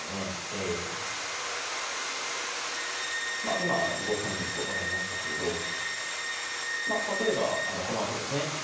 今５三銀と上がりましたけれど例えばこのあとですね